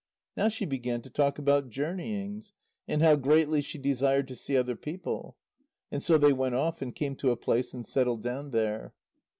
Now she began to talk about journeyings, and how greatly she desired to see other people. And so they went off, and came to a place and settled down there.